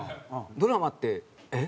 ドラマって「えっ？」